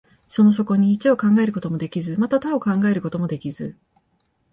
その底に一を考えることもできず、また多を考えることもできず、